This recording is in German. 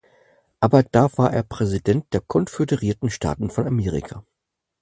Ab da war er Präsident der Konföderierten Staaten von Amerika.